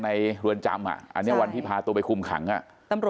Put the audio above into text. ในรวนจำอ่ะอันเนี่ยวันที่พาตัวไปฆุมขังน่ะ